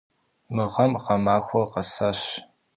Мы гъэм гъэмахуэр кӏасэщ.